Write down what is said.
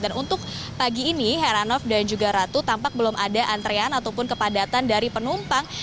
dan untuk pagi ini heranov dan juga ratu tampak belum ada antrean ataupun kepadatan dari penumpang